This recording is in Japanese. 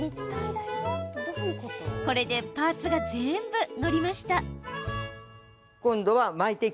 これでパーツが全部載りました。